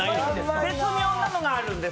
絶妙なのがあるんです。